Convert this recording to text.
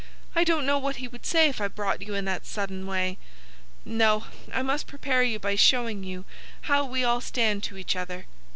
"I don't know what he would say if I brought you in that sudden way. No, I must prepare you by showing you how we all stand to each other.